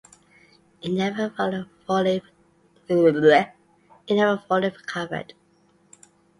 It never fully recovered.